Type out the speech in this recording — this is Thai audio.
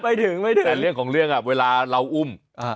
ไปถึงไม่ได้แต่เรื่องของเรื่องอ่ะเวลาเราอุ้ม